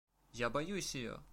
Я боюсь ее!